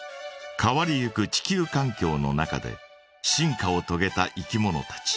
変わりゆく地球かん境の中で進化をとげたいきものたち。